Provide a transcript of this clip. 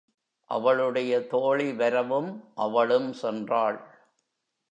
அவளுடைய தோழி வரவும், அவளும் சென்றாள்.